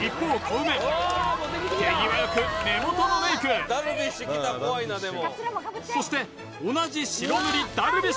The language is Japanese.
コウメ手際よく目元のメイクそして同じ白塗り樽美